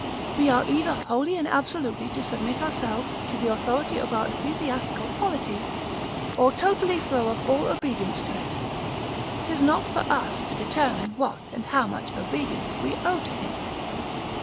We are either wholly and absolutely to submit ourselves to the authority of our ecclesiastical polity, or totally throw off all obedience to it: 'tis not for us to determine what and how much obedience we owe to it.